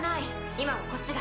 今はこっちだ。